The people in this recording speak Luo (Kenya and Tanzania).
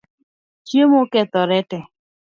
Chiemo okethoree tee